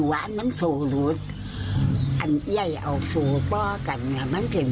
บอกมาเราว่าเห็น